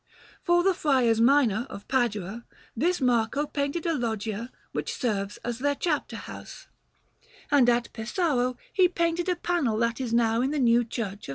For the Friars Minor of Padua this Marco painted a loggia which serves as their chapter house; and at Pesaro he painted a panel that is now in the new Church of S.